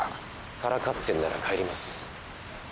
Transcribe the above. からかってんなら帰ります。